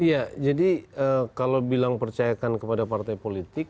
iya jadi kalau bilang percayakan kepada partai politik